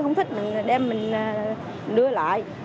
mình đem mình đưa lại